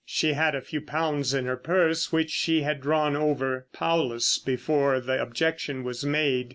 She had a few pounds in her purse which she had drawn over Paulus before the objection was made.